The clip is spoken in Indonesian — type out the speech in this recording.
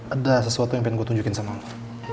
ada sesuatu yang pengen gue tunjukin sama allah